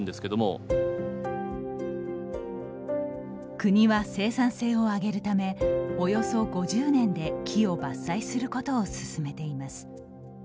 国は、生産性を上げるためおよそ５０年で木を伐採することを進めています。